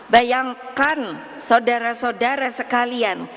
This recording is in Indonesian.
bayangkan saudara saudara sekalian